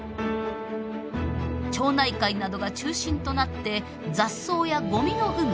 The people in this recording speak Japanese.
町内会などが中心となって雑草やごみの有無